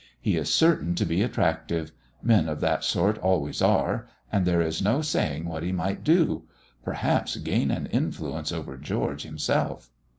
He is certain to be attractive men of that sort always are; and there is no saying what he might do: perhaps gain an influence over George himself."